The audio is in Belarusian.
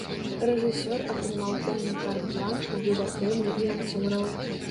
Рэжысёр атрымаў поўны карт-бланш на выбар тэмы і акцёраў.